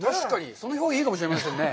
その表現いいかもしれませんね。